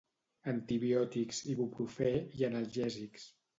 Antibiòtics, Ibuprofè i analgèsics